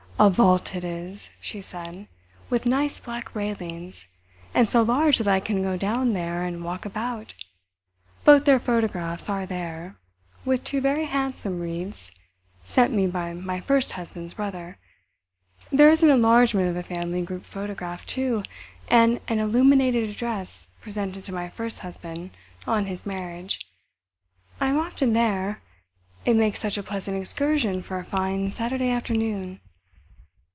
"A vault it is," she said, "with nice black railings. And so large that I can go down there and walk about. Both their photographs are there, with two very handsome wreaths sent me by my first husband's brother. There is an enlargement of a family group photograph, too, and an illuminated address presented to my first husband on his marriage. I am often there; it makes such a pleasant excursion for a fine Saturday afternoon."